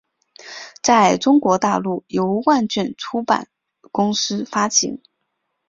在中国大陆由万卷出版公司发行。